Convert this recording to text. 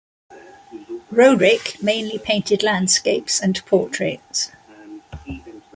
Roerich mainly painted landscapes and portraits.